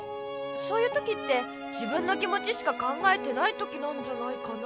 そういうときって自分の気もちしか考えてないときなんじゃないかな。